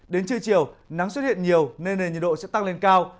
đến trưa chiều nắng xuất hiện nhiều nên nền nhiệt độ sẽ tăng lên cao